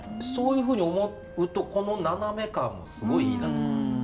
そういうふうに思うとこの斜め感もすごいいいなとか。